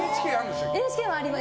ＮＨＫはあります。